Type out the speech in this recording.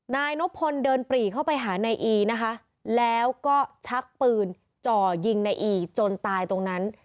นายนบพลเดินปรีเข้าไปหานายอีนะคะแล้วก็ชักปืนจ่อยิงในอีจนตายตรงนั้น